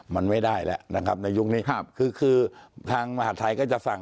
มันไม่ได้แล้วนะครับในยุคนี้ครับคือคือทางมหาทัยก็จะสั่ง